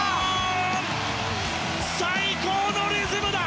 最高のリズムだ！